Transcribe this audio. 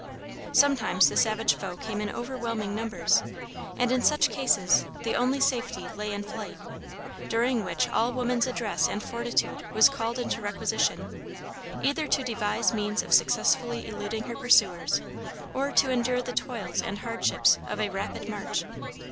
Sometimes the savage foe came in overwhelming numbers, and in such cases the only safety lay in flight, during which all woman's address and fortitude was called into requisition, either to devise means of successfully eluding her pursuers, or to endure the toils and hardships of a rapid march.